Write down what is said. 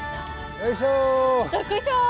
よいしょ！